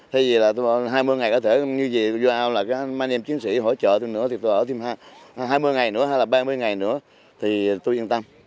thế gì là tôi hai mươi ngày có thể như gì do ai mà mang em chiến sĩ hỗ trợ tôi nữa thì tôi ở thêm hai mươi ngày nữa hay là ba mươi ngày nữa thì tôi yên tâm